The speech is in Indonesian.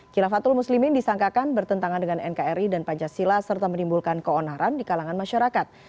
kilafatul muslimin disangkakan bertentangan dengan nkri dan pancasila serta menimbulkan keonaran di kalangan masyarakat